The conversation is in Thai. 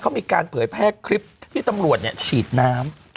เขามีการเผยแพร่คลิปที่ตำรวจฉีดน้ำ